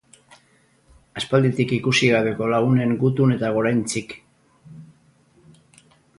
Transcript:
Aspalditik ikusi gabeko lagunen gutun eta goraintzik.